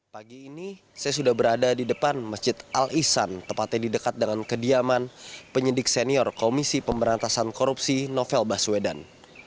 pagi ini saya sudah berada di depan masjid al ihsan tepatnya di dekat dengan kediaman penyidik senior komisi pemberantasan korupsi novel baswedan